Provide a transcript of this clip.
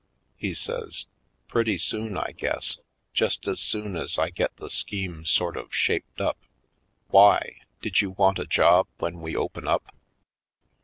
He says: "Pretty soon, I guess — just as soon as I get the scheme sort of shaped up. Why — did you want a job when we open up?"